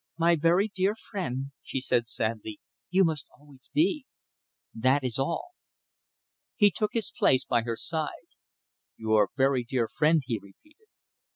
"My very dear friend," she said sadly, "you must always be. That is all!" He took his place by her side. "Your very dear friend," he repeated.